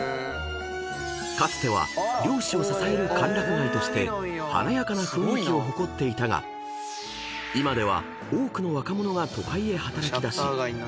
［かつては漁師を支える歓楽街として華やかな雰囲気を誇っていたが今では多くの若者が都会へ働きだし］